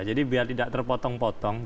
jadi biar tidak terpotong potong